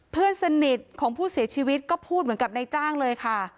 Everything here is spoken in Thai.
เพื่อนสนิทของผู้เสียชีวิตก็พูดเหมือนกับนายจ้างเลยค่ะ